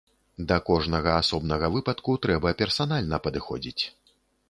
Да кожнага асобнага выпадку трэба персанальна падыходзіць.